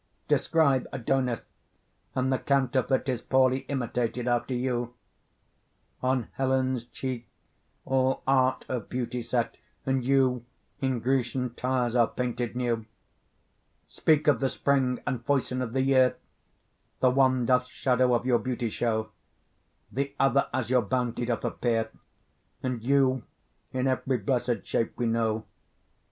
Describe Adonis, and the counterfeit Is poorly imitated after you; On Helen's cheek all art of beauty set, And you in Grecian tires are painted new: Speak of the spring, and foison of the year, The one doth shadow of your beauty show, The other as your bounty doth appear; And you in every blessed shape we know.